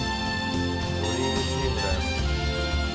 「ドリームチームだよ」